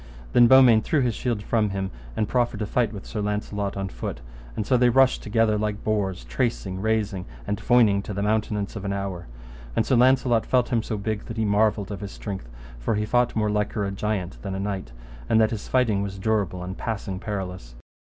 And then Beaumains threw his shield from him, and proffered to fight with Sir Launcelot on foot; and so they rushed together like boars, tracing, rasing, and foining to the mountenance of an hour; and Sir Launcelot felt him so big that he marvelled of his strength, for he fought more liker a giant than a knight, and that his fighting was durable and passing perilous.